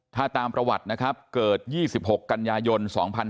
ถ้าตามประวัตินะครับเกิด๒๖กันยายน๒๕๕๙